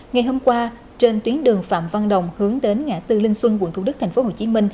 ngày hôm qua trên tuyến đường phạm văn đồng hướng đến ngã tư linh xuân quận thủ đức tp hcm